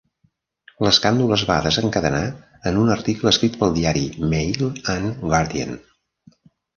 L'escàndol es va desencadenar en un article escrit pel diari Mail and Guardian.